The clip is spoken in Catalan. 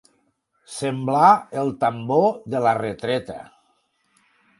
Semblar el tambor de la retreta.